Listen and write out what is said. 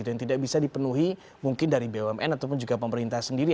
yang tidak bisa dipenuhi mungkin dari bumn ataupun juga pemerintah sendiri